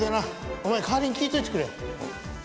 お前代わりに聞いといてくれよ。